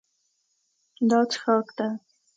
دا څښاک ده.